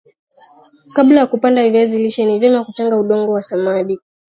kabla ya kupada viazi lishe ni vyema kuchanganya udongo na samadi